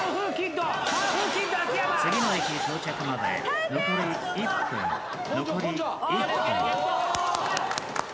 次の駅到着まで残り１分残り１分。